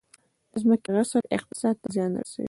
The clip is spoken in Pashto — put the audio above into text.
د ځمکې غصب اقتصاد ته زیان رسوي